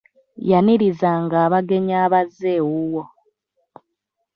Yanirizanga abagenyi abazze ewuwo.